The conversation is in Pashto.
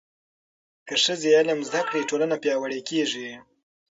که ښځې علم زده کړي، ټولنه پیاوړې کېږي.